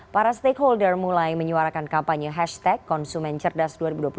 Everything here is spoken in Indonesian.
para stakeholder mulai menyuarakan kampanye hashtag konsumen cerdas dua ribu dua puluh tiga